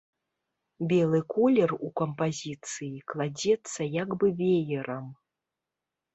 Белы колер у кампазіцыі кладзецца як бы веерам.